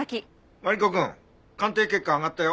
マリコくん鑑定結果上がったよ。